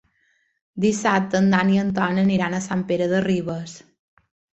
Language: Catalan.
Dissabte en Dan i en Ton aniran a Sant Pere de Ribes.